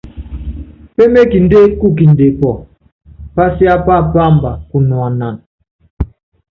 Pémékindé kukinde pɔ́ɔ́, pasiápá páamba kunuanana.